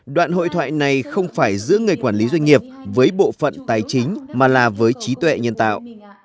đoạn hội thoại này không phải giữa người quản lý doanh nghiệp với bộ phận tài chính mà là với trí tuệ nhân tạo